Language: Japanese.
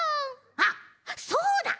あっそうだ！